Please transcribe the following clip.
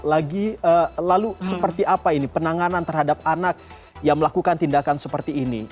lalu seperti apa ini penanganan terhadap anak yang melakukan tindakan seperti ini